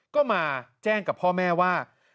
ก็มาแจ้งกับพ่อแม่ว่า